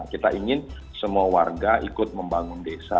kita ingin semua warga ikut membangun desa